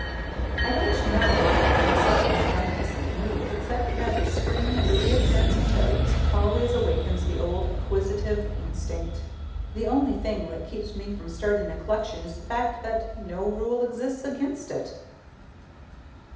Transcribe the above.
I don't know why I am in such a reminiscent mood except that spring and the reappearance of toads always awakens the old acquisitive instinct. The only thing that keeps me from starting a collection is the fact that no rule exists against it.